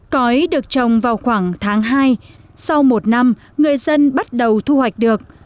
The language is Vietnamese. cõi được trồng vào khoảng tháng hai sau một năm người dân bắt đầu thu hoạch được